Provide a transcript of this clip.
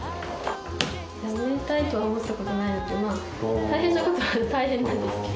やめたいとは思ったことないので大変なことは大変なんですけど。